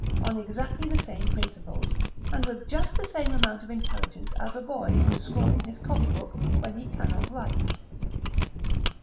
on exactly the same principles, and with just the same amount of intelligence as a boy's in scrawling his copy book when he cannot write.